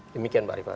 demikian mbak ripa